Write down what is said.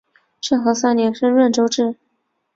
政和三年升润州置。